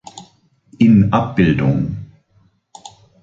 In Abb.